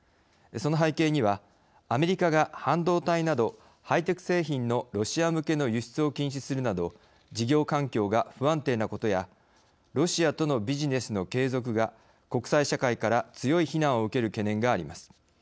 その背景には、アメリカが半導体などハイテク製品のロシア向けの輸出を禁止するなど事業環境が不安定なことやロシアとのビジネスの継続が国際社会から強い非難を受ける懸念があります。